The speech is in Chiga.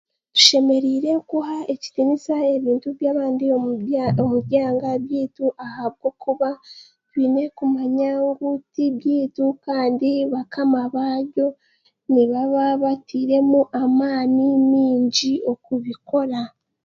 Tushemereire kuha ekitiinsa ebintu by'abandi omu byanga by'eitu ahabw'okuba twiine kumanya ngu tibyeitu kandi bakama babyo nibaba batiiremu amaani mingi okubikoora.